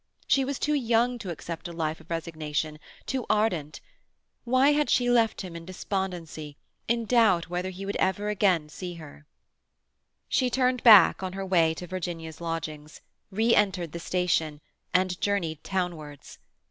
She was too young to accept a life of resignation, too ardent. Why had she left him in despondency, in doubt whether he would ever again see her? She turned back on her way to Virginia's lodgings, re entered the station, and journeyed townwards.